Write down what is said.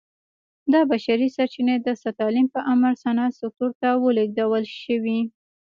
دا بشري سرچینې د ستالین په امر صنعت سکتور ته ولېږدول شوې